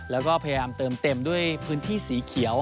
แล้วก็พยายามเติมเต็มด้วยพื้นที่สีเขียว